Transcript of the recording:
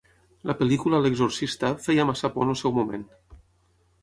La pel·lícula "L'exorcista" feia massa por en el seu moment.